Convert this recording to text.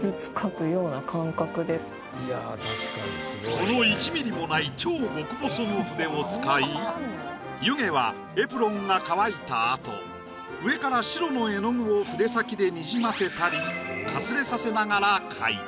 この１ミリもない超極細の筆を使い湯気はエプロンが乾いたあと上から白の絵の具を筆先でにじませたりかすれさせながら描いた。